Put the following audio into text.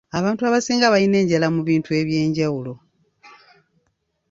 Abantu abasinga balina enjala mu bintu eby’enjawulo.